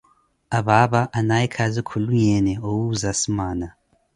Apaapa anaaye khaazi khuluyeene yowuuza asimaana.